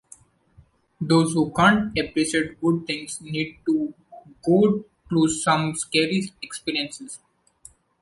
Those who can’t appreciate good things need to go through some scary experiences.